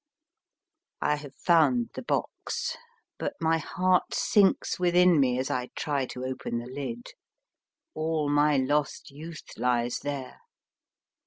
I have found the box, but my heart sinks within me as I try to open the lid. All my lost youth lies there.